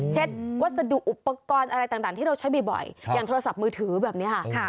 วัสดุอุปกรณ์อะไรต่างที่เราใช้บ่อยอย่างโทรศัพท์มือถือแบบนี้ค่ะ